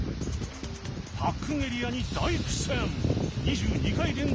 パックンエリアに大苦戦！